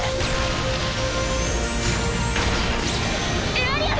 エアリアル！